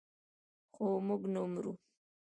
خو موږ نه مرو.